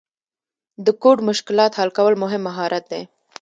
د کوډ مشکلات حل کول مهم مهارت دی.